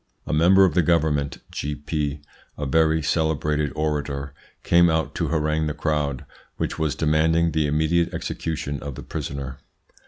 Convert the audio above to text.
A member of the Government (G. P ), a very celebrated orator, came out to harangue the crowd, which was demanding the immediate execution of the prisoner.